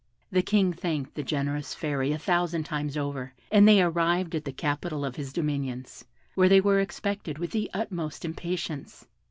The King thanked the generous Fairy a thousand times over, and they arrived at the capital of his dominions, where they were expected with the utmost impatience.